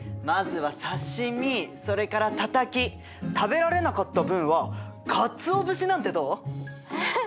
まずは刺身それからたたき食べられなかった分はかつお節なんてどう？